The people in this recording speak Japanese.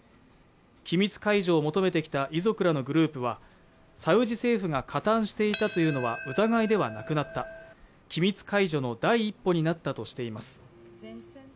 機密解除を求めてきた遺族らのグループは、サウジ政府が加担していたというのは疑いではなくなった、機密解除の第一歩になったとしています。